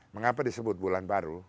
mengapa disebut bulan baru